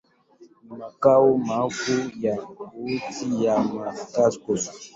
Ni makao makuu ya kaunti ya Machakos.